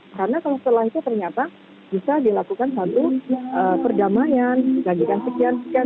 karena kalau setelah itu ternyata bisa dilakukan satu perdamaian gagikan sekian sekian